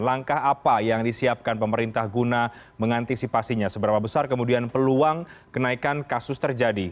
langkah apa yang disiapkan pemerintah guna mengantisipasinya seberapa besar kemudian peluang kenaikan kasus terjadi